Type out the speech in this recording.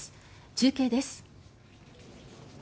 中継です。